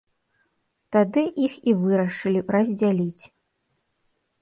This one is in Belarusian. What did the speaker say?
Тады іх і вырашылі раздзяліць.